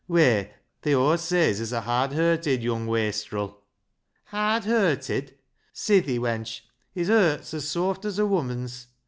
Whey, they aw say as he's a hard herted young wastril." " Hard herted ! Sithee, wench, his hert's as sawft as a woman's.